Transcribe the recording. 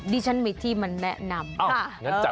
ดิฉันมีที่มันแนะนำ